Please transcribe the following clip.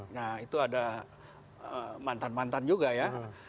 nah itu ada mantan mantan juga ya